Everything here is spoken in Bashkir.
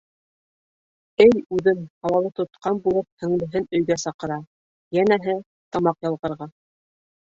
Эй үҙен һауалы тотҡан булып һеңлеһен өйгә саҡыра, йәнәһе, тамаҡ ялғарға.